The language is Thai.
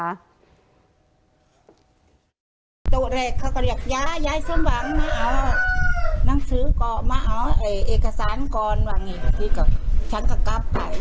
แม่คิดต้องการสงสารมาเขาคุณมีทางเดียว